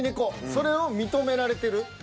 それを認められてる。